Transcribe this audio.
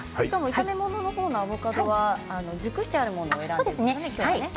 炒め物のアボカドは熟してあるものを選んでいるんですよね。